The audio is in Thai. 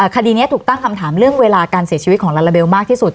คดีนี้ถูกตั้งคำถามเรื่องเวลาการเสียชีวิตของลาลาเบลมากที่สุด